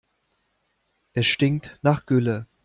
Es stinkt nach Gülle.